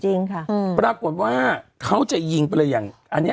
จริงค่ะอืมปรากฏว่าเขาจะยิงไปเลยอย่างอันเนี้ย